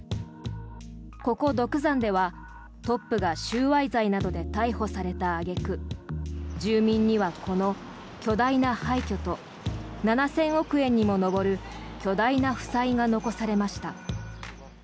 ここ独山ではトップが収賄罪などで逮捕された揚げ句住民にはこの巨大な廃虚と７０００億円にも上る巨大な負債が残されました。